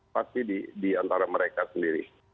pasti di antara mereka sendiri